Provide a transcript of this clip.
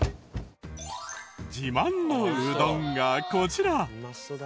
自慢のうどんがこちら！